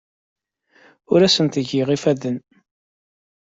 Ur asen-ttgeɣ ifadden.